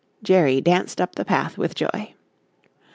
Jerry danced up the path with joy.